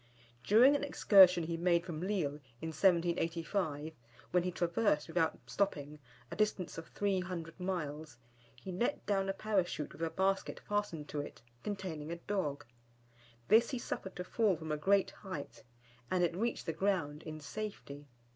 During an excursion he made from Lille, in 1785, when he traversed, without stopping, a distance of 300 miles, he let down a Parachute with a basket fastened to it containing a dog. This he suffered to fall from a great height, and it reached the ground in safety.